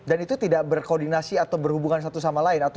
dan itu tidak berkoordinasi atau berhubungan satu sama lain